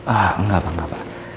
ah enggak pak enggak pak